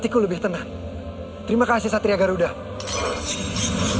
kan merindisi lo bayang